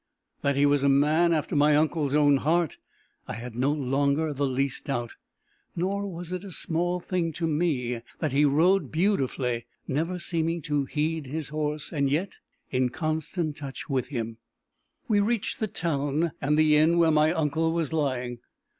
That he was a man after my uncle's own heart, I had no longer the least doubt. Nor was it a small thing to me that he rode beautifully never seeming to heed his horse, and yet in constant touch with him. We reached the town, and the inn where my uncle was lying.